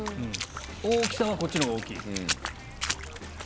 大きさはこっちのほうが大きい。